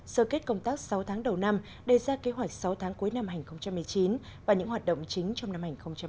sơ kết công tác sáu tháng đầu năm đề ra kế hoạch sáu tháng cuối năm hai nghìn một mươi chín và những hoạt động chính trong năm hai nghìn hai mươi